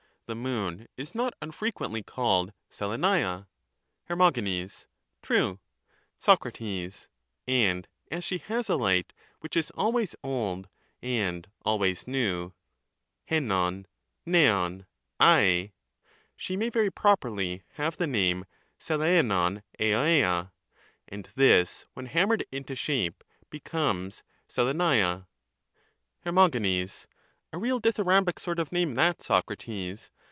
The moon is not unfrequently called oeXavaia. Her. True. Soc. And as she has a light which is always old and always new [evov viov ad), she may very properly have the name atAasvoveodeia ; and this when hammered into shape becomes oeXavaia. Her. A real dithyrambic sort of name that, Socrates.